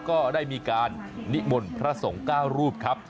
ก็ได้มีการนิมนต์พระสงฆ์๙รูปครับ